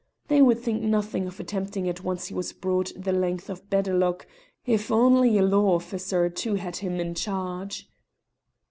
They would think nothing of attempting it once he was brought the length of Benderloch, if only a law officer or two had him in charge."